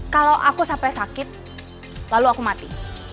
kalau aku sampai sakit lalu aku mati